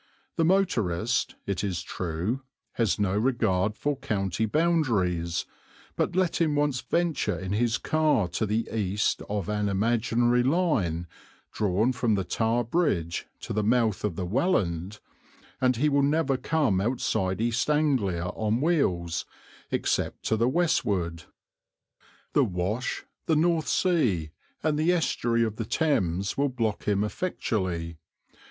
The motorist, it is true, has no regard for county boundaries, but let him once venture in his car to the east of an imaginary line drawn from the Tower Bridge to the mouth of the Welland, and he will never come outside East Anglia on wheels, except to the westward. The Wash, the North Sea, and the Estuary of the Thames will block him effectually.